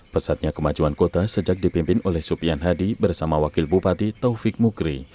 pesatnya kemajuan kota sejak dipimpin oleh supian hadi bersama wakil bupati taufik mukri